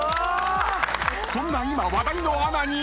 ［そんな今話題のアナに］